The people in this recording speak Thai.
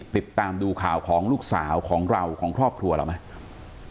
ติดตามดูข่าวของลูกสาวของเราของครอบครัวเราไหม